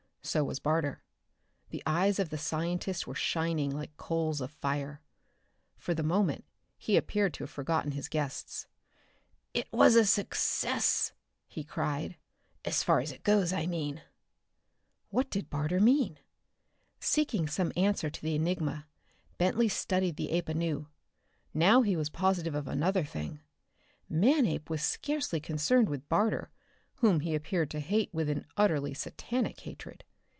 So was Barter. The eyes of the scientist were shining like coals of fire. For the moment he appeared to have forgotten his guests. "It is a success!" he cried. "As far as it goes, I mean!" What did Barter mean? Seeking some answer to the enigma, Bentley studied the ape anew. Now he was positive of another thing: Manape was scarcely concerned with Barter, whom he appeared to hate with an utterly satanic hatred.